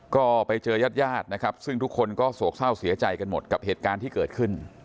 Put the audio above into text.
ก็ไปเจอยาดนะครับซึ่งทุกคนก็โศกเศร้าเสียใจกันหมดกับเหตุการณ์ที่เกิดขึ้น